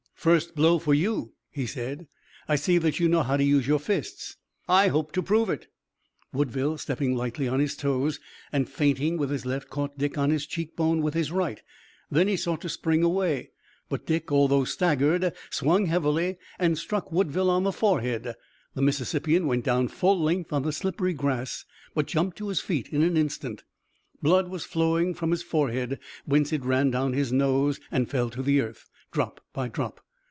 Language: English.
"First blow for you," he said. "I see that you know how to use your fists." "I hope to prove it." Woodville, stepping lightly on his toes and feinting with his left, caught Dick on his cheek bone with his right. Then he sought to spring away, but Dick, although staggered, swung heavily and struck Woodville on the forehead. The Mississippian went down full length on the slippery grass but jumped to his feet in an instant. Blood was flowing from his forehead, whence it ran down his nose and fell to the earth, drop by drop.